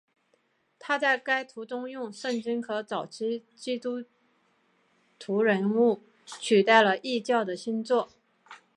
他在该图中用圣经和早期基督徒人物取代了异教的星座。